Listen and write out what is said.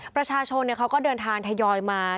ประชาชนเขาก็เดินทางทยอยมา